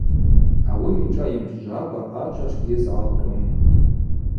Ауи йшӏа йымджвджвакӏва ачва тшгьйызгӏалкъьум.